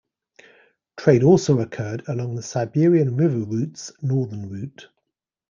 Trade also occurred along the Siberian River Routes' Northern Route.